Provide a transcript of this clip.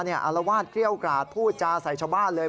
อารวาสเกรี้ยวกราดพูดจาใส่ชาวบ้านเลย